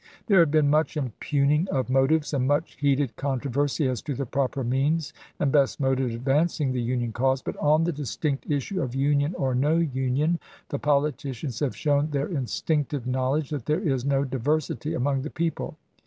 There have been much impugning of motives, and much heated con troversy as to the proper means and best mode of advanc ing the Union cause ; but on the distinct issue of Union or no Union the politicians have shown their instinctive knowledge that there is no diversity among the people.